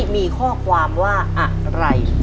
มีข้อความว่าอะไร